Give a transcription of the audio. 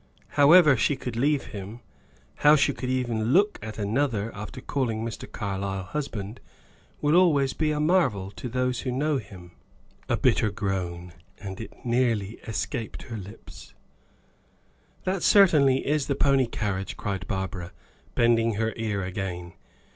However she could leave him how she could even look at another, after calling Mr. Carlyle husband will always be a marvel to those who know him." A bitter groan and it nearly escaped her lips. "That certainly is the pony carriage," cried Barbara, bending her ear again.